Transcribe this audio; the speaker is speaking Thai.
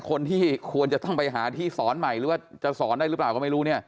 คนที่ควรจะต้องไปหาที่สอนใหม่หรือว่าจะสอนได้หรือเปล่าก็ไม่รู้เนี่ย